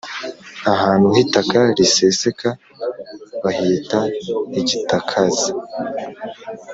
ahantu h’itaka riseseka bahita igitakazi